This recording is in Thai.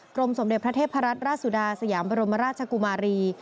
สมเด็จพระเทพรัตนราชสุดาสยามบรมราชกุมารี